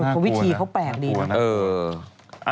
ความวิธีเขาแปลกดีเนอะ